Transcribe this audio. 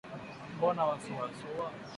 Mbona wasuasua